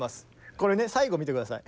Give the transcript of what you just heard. これね最後見て下さい。